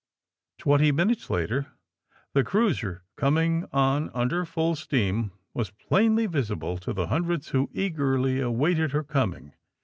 '' Twenty minutes later the cruiser, coming on under full steam, was plainly visible to the hun dreds who eagerly awaited her coming.